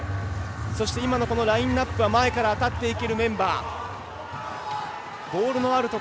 そして、今のラインアップは前から当たっていけるメンバー。